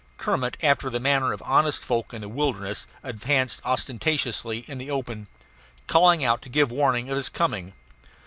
Kermit, after the manner of honest folk in the wilderness, advanced ostentatiously in the open, calling out to give warning of his coming.